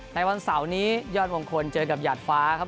ในวันเสาร์นี้ยอดมงคลเจอกับหยาดฟ้าครับ